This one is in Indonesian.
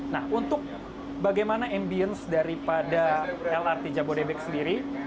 nah untuk bagaimana ambience daripada lrt jabodebek sendiri